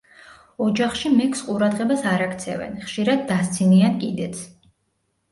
ოჯახში მეგს ყურადღებას არ აქცევენ, ხშირად დასცინიან კიდეც.